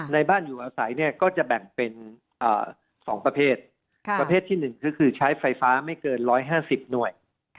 บ้านอยู่อาศัยเนี่ยก็จะแบ่งเป็น๒ประเภทประเภทที่๑ก็คือใช้ไฟฟ้าไม่เกิน๑๕๐หน่วย